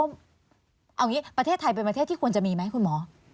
เอาอย่างนี้ประเทศไทยเป็นประเทศที่ควรจะมีไหมคุณหมอ